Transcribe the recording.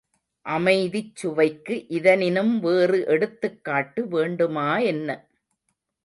அமைதிச் சுவைக்கு இதனினும் வேறு எடுத்துக் காட்டு வேண்டுமா என்ன!